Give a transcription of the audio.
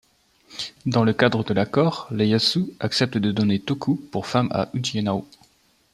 Dans le cadre de l'accord, Ieyasu accepte de donner Toku pour femme à Ujinao.